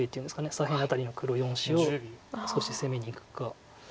左辺あたりの黒４子を少し攻めにいくか。